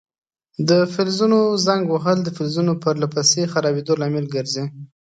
د فلزونو زنګ وهل د فلزونو پر له پسې خرابیدو لامل ګرځي.